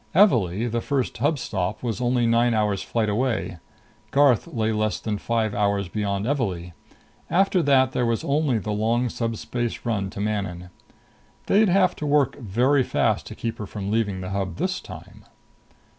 Evalee, the first Hub stop, was only nine hours' flight away; Garth lay less than five hours beyond Evalee. After that there was only the long subspace run to Manon.... They'd have to work very fast to keep her from leaving the Hub this time!